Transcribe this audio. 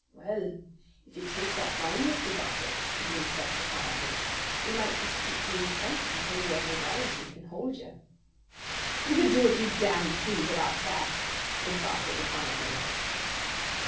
"Well, if you take that line, Mr. Barker," said the inspector quietly, "we must just keep you in sight until we have the warrant and can hold you." "You can do what you damn please about that," said Barker defiantly.